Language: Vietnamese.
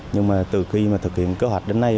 nhưng mà từ khi thực hiện cơ hoạch đến nay